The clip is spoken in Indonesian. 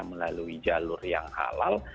melalui jalur yang halal